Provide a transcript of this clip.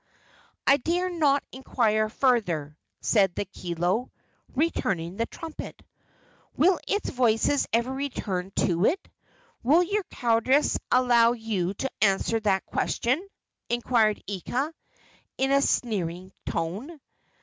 "I dare not inquire further," said the kilo, returning the trumpet. "Will its voices ever return to it? Will your cowardice allow you to answer that question?" inquired Ika, in a sneering tone.